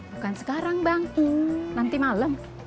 bukan sekarang bang nanti malam